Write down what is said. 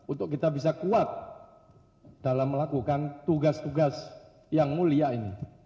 untuk kita bisa kuat dalam melakukan tugas tugas yang mulia ini